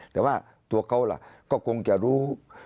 แต่ว่าตัวเขาก็คงจะรู้